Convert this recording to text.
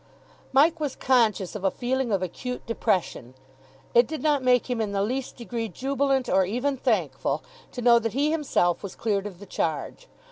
Mike was conscious of a feeling of acute depression. It did not make him in the least degree jubilant, or even thankful, to know that he himself was cleared of the charge.